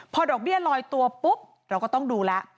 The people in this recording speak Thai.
พอดอกเบี้ยลอยตัวปุ๊บเราก็ต้องดูแล้ว